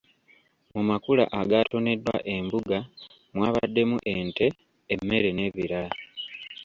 Mu makula agaatoneddwa embuga mwabaddemu ente, emmere n'ebirala.